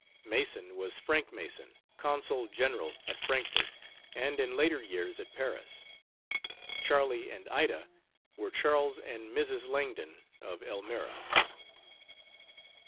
"Mason" was Frank Mason, Consul General at Frankfort, and in later years at Paris. "Charlie and Ida" were Charles and Mrs. Langdon, of Elmira.